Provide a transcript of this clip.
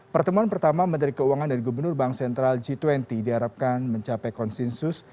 pertemuan pertama menteri keuangan dan gubernur bank sentral g dua puluh diharapkan mencapai konsensus